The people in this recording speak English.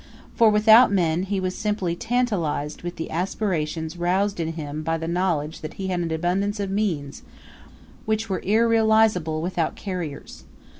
For, without men, he was simply tantalized with the aspirations roused in him by the knowledge that he had abundance of means, which were irrealizable without carriers.